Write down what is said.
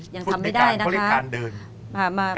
ยังทำไม่ได้นะคะ